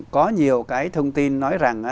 có nhiều thông tin nói rằng